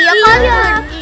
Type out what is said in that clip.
ya kan ya